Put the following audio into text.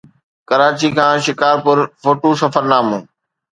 ڪراچي کان شڪارپور فوٽو سفرنامو